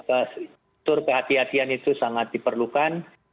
atur kehatian itu sangat diperlukan